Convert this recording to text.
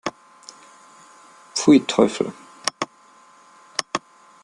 Pfui, Teufel!